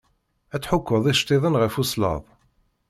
Ad tḥukkeḍ icettiḍen ɣef uslaḍ.